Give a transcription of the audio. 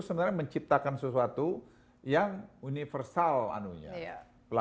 sebenarnya menciptakan sesuatu yang universal realised a putri lebih efisien lebih efektif lebih